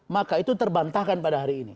maka itu terbantahkan pada hari ini